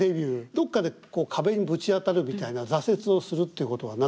どっかで壁にぶち当たるみたいな挫折をするっていうことはなかったんですか？